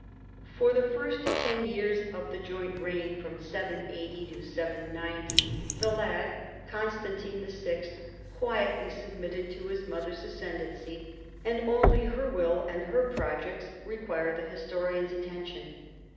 For the first ten years of the joint reign (780 790) RELATIONS WITH THE EAST. 225 the lad, Constantine VI., quietly submitted to his mother's ascendency, and only her will and her pro , jects require the historian's attention.